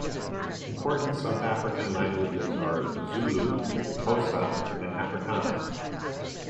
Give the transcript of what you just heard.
Important South African languages are Zulu, Xhosa and Afrikaans.